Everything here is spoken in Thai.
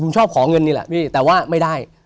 ผมชอบขอเงินนี่แหละพี่แต่ว่าไม่ได้